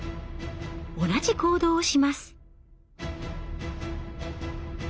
同じ行動をします。